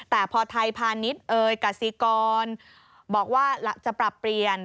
แต่พอไทยพาณิชย์กษิกรบอกว่าจะปรับเปลี่ยน